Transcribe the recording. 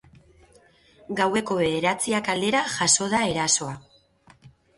Gaueko bederatziak aldera jazo da erasoa.